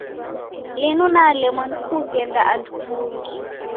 Linu nalemwa ni kughenda andu kungi.